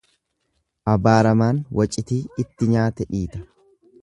Abaaramaan wacitii itti nyaate dhiita.